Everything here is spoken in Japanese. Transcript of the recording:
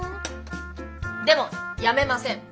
でもやめません！